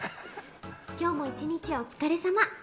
今日も一日お疲れさま。